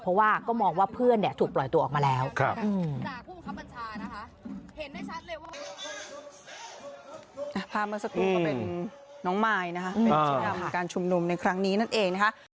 เพราะว่าก็มองว่าเพื่อนเนี่ยถูกปล่อยตัวออกมาแล้ว